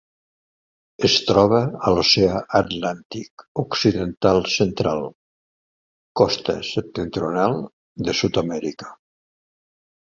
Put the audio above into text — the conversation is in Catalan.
Es troba a l'Oceà Atlàntic occidental central: costa septentrional de Sud-amèrica.